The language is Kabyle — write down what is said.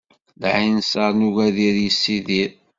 Lɛinṣeṛ n ugadir yessidir.